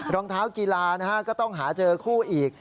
รองเท้ากีฬาก็ต้องหาเจอคู่อีก